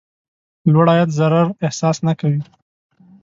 لوړ عاید ضرر احساس نه کوي.